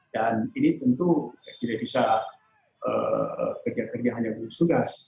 dan ini tentu tidak bisa kerja kerja hanya gugus tugas